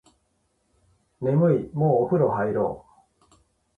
眠いもうお風呂入ろう